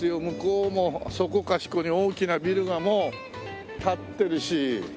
向こうもそこかしこに大きなビルがもう立ってるし。